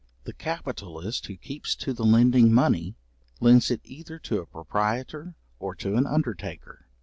The capitalist who keeps to the lending money, lends it either to a proprietor or to an undertaker.